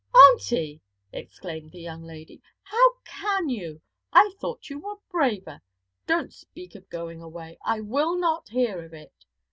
'Auntie!' exclaimed the young lady, 'how can you! I thought you were braver. Don't speak of going away. I will not hear of it.